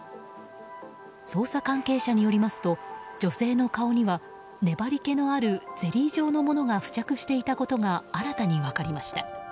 捜査関係者によりますと女性の顔には粘り気のあるゼリー状のものが付着していたことが新たに分かりました。